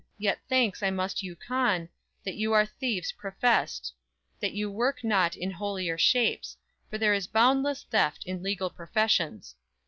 Yet thanks I must you con, That you are thieves professed; that you work not In holier shapes; for there is boundless theft In legal professions.